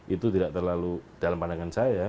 itu tidak terlalu dalam pandangan saya